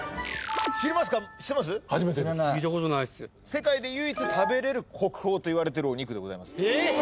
世界で唯一食べれる国宝といわれてるお肉でございますえっ！